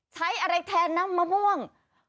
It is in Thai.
ใช้อะไรแทนน้ำมะม่วง